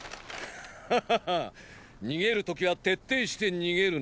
ハハハッ逃げる時は徹底して逃げるのだな。